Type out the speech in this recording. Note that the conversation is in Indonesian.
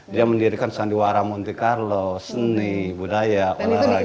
dia mendirikan sandiwara monte carlo seni budaya olahraga